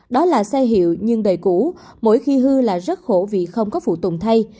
đó là xe hiệu nhưng đời cũ mỗi khi hư là rất khổ vì không có phụ tụng thay